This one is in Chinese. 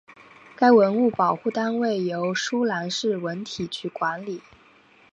该文物保护单位由舒兰市文体局管理。